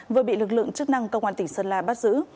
vừa bị lực lượng chức năng công an tỉnh sơn la bắt giữ